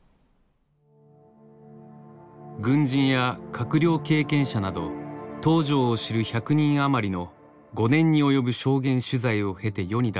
軍人や閣僚経験者など東條を知る１００人あまりの５年に及ぶ証言取材を経て世に出された評伝は